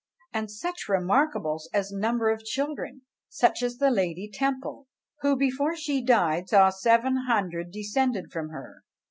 And such remarkables as "Number of children, such as the Lady Temple, who before she died saw seven hundred descended from her."